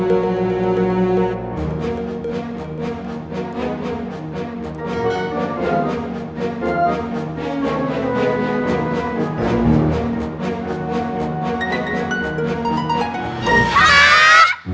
penampil di sisi tamat